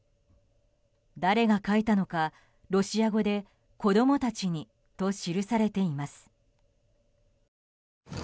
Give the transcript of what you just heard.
誰が書いたのか、ロシア語で子供たちにと記されています。